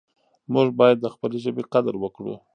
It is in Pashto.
موږ باید د خپلې ژبې قدر وکړو.